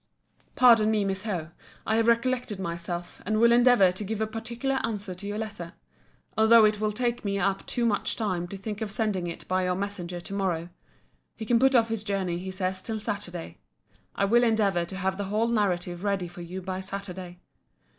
Pardon me, my Miss Howe. I have recollected myself: and will endeavour to give a particular answer to your letter; although it will take me up too much time to think of sending it by your messenger to morrow: he can put off his journey, he says, till Saturday. I will endeavour to have the whole narrative ready for you by Saturday.